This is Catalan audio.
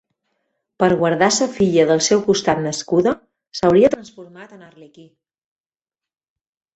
Per guardar sa filla del seu costat nascuda, s'hauria transformat en arlequí.